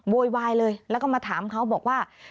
โวยวายเลยแล้วก็มาถามเขาบอกว่า